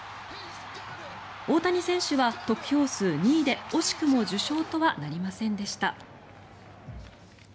大谷選手は得票数２位で惜しくも受賞とはなりませんでした。